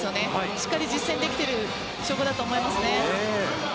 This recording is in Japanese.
しっかり実践できている証拠だと思いますね。